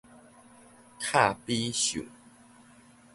卡比獸